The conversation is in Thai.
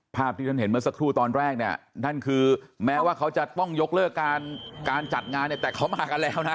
ภาพที่ท่านเห็นเมื่อสักครู่ตอนแรกเนี่ยนั่นคือแม้ว่าเขาจะต้องยกเลิกการการจัดงานเนี่ยแต่เขามากันแล้วนะ